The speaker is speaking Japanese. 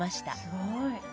すごい。